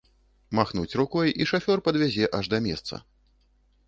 Махнуць рукой, і шафёр падвязе аж да месца.